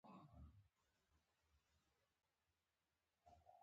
چا نوم هم یاد نه کړ.